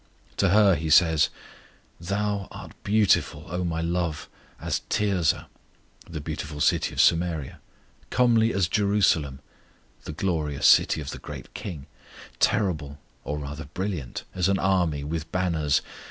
To her He says: Thou art beautiful, O My love, as Tirzah, [the beautiful city of Samaria,] Comely as Jerusalem, [the glorious city of the great KING,] Terrible [or rather brilliant] as an army with banners.